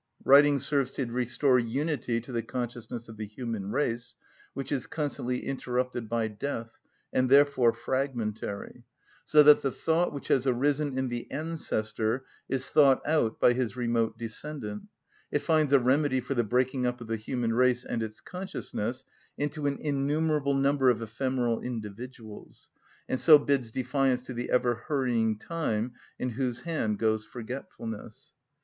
Writing serves to restore unity to the consciousness of the human race, which is constantly interrupted by death, and therefore fragmentary; so that the thought which has arisen in the ancestor is thought out by his remote descendant; it finds a remedy for the breaking up of the human race and its consciousness into an innumerable number of ephemeral individuals, and so bids defiance to the ever hurrying time, in whose hand goes forgetfulness.